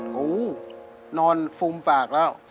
โอ้โหนอนฟุมปากแล้ว